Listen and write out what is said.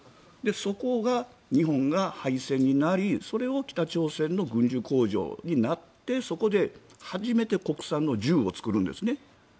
そこが日本が敗戦になりそれが北朝鮮の軍需工場になってそこで初めて国産の銃を作るんです。